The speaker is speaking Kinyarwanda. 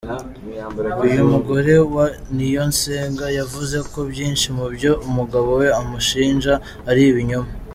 Uyu mugore wa Niyosenga yavuze ko byinshi mubyo umugabo we amushinja ari ibinyoma.